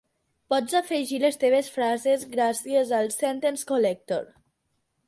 Pots afegir les teves frases gràcies al "sentence collector".